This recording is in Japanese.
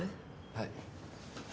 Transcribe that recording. はい。